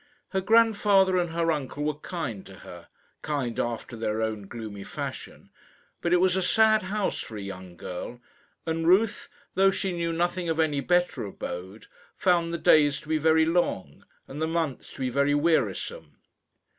Her grandfather and her uncle were kind to her kind after their own gloomy fashion; but it was a sad house for a young girl, and Ruth, though she knew nothing of any better abode, found the days to be very long, and the months to be very wearisome.